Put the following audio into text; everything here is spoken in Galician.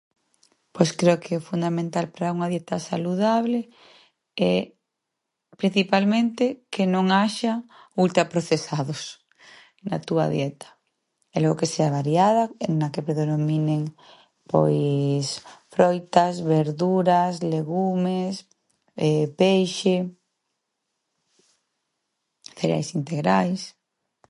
Pois creo que o fundamental pra unha dieta saludable é, principalmente, que non haxa ultraprocesados na túa dieta e logo que sea variada na que predominen, pois, froitas, verduras, legumes, peixe, cereais integrais.